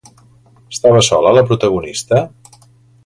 Estava sola la protagonista?